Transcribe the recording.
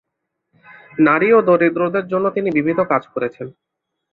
নারী ও দরিদ্রদের জন্য তিনি বিবিধ কাজ করেছেন।